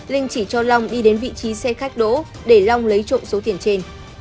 linh chỉ cho long đi đến vị trí xe khách đỗ để long lấy trộm số tiền trên